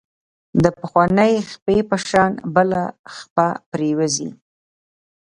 د پخوانۍ خپې په شان بله خپه پرېوځي.